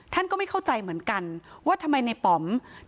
ก็ไม่เข้าใจเหมือนกันว่าทำไมในป๋อม